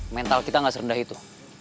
mental kita nggak serendah itu